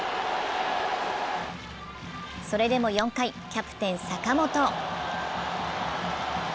それでも４回、キャプテン・坂本。